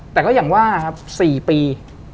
แต่ก็อย่างว่าครับ๔ปี